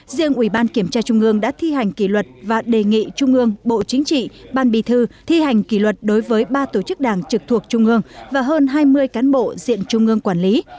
riêng ủy ban kiểm tra trung ương đã thi hành kỷ luật và đề nghị trung ương bộ chính trị ban bì thư thi hành kỷ luật đối với ba tổ chức đảng trực thuộc trung ương và hơn hai mươi cán bộ diện trung ương quản lý